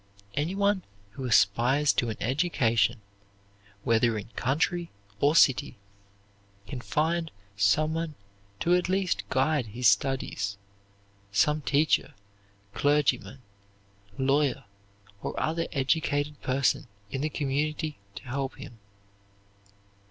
Anyone who aspires to an education, whether in country or city, can find someone to at least guide his studies; some teacher, clergyman, lawyer, or other educated person in the community to help him.